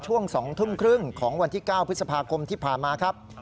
ช่วง๒ทุ่มครึ่งของวันที่๙พฤษภาคมที่ผ่านมาครับ